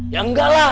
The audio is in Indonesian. ya enggak lah